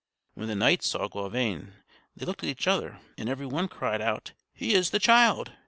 When the knights saw Gauvain they looked at each other, and every one cried out: "He is the child!"